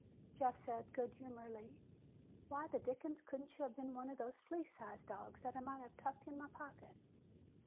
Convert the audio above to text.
Jeff said good humoredly, "Why the dickens couldn't you have been one of those flea sized dogs that I might have tucked in my pocket?"